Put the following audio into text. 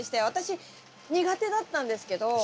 私苦手だったんですけど。